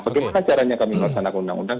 bagaimana caranya kami melaksanakan undang undang